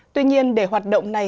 tuy nhiên để hoạt động này